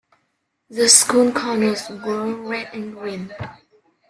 The school colours were red and green.